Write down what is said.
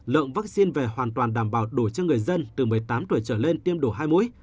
lượng vaccine về hoàn toàn đảm bảo đủ cho người dân từ một mươi tám tuổi trở lên tiêm đủ hai mũi